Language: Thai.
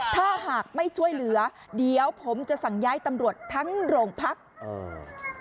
ถ้าหากไม่ช่วยเหลือเดี๋ยวผมจะสั่งย้ายตำรวจทั้งโรงพักอืม